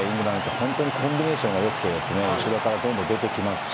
本当にコンビネーションがよくて後ろからどんどん出てきますし